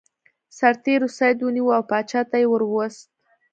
سرتیرو سید ونیو او پاچا ته یې ور وست.